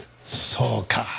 そうか。